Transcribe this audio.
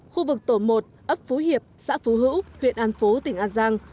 khu vực tổ một ấp phú hiệp xã phú hữu huyện an phú tỉnh an giang